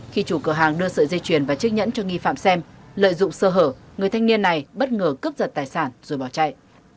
khi chủ cửa hàng đưa sợi dây chuyền và chiếc nhẫn cho nghi phạm xem lợi dụng sơ hở người thanh niên này bất ngờ cướp giật tài sản rồi bỏ chạy